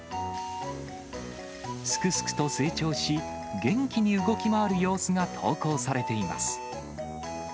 すくすくと成長し、元気に動き回る様子が投稿されています。